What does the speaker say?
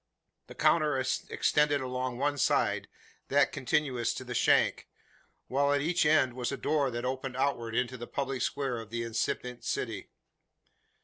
The counter extended along one side, that contiguous to the shank; while at each end was a door that opened outward into the public square of the incipient city.